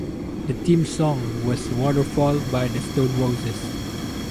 The theme song was "Waterfall" by The Stone Roses.